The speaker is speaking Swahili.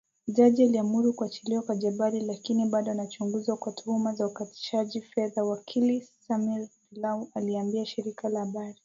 Jaji aliamuru kuachiliwa kwa Jebali lakini bado anachunguzwa kwa tuhuma za utakatishaji fedha, wakili Samir Dilou aliliambia shirika la habari.